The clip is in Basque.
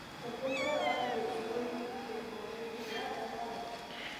Sorkuntza norabide bikoitzeko errepidea da beti.